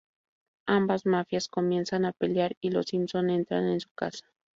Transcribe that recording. Ambas mafias comienzan a pelear, y los Simpson entran en su casa.